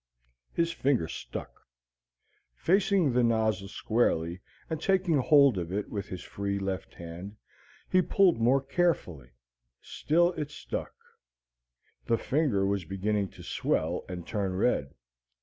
His finger stuck. Facing the nozzle squarely and taking hold of it with his free left hand, he pulled more carefully. Still it stuck. The finger was beginning to swell and turn red.